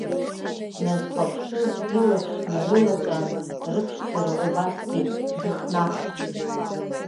Дназхәаԥшыз илаԥш нарылаҵәан, рыԥшӡара убасгьы дыхнахт.